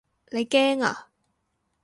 你驚啊？